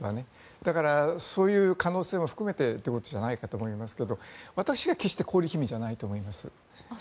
だから、そういう可能性も含めてということじゃないかと思いますが私は決して氷姫じゃないと思います。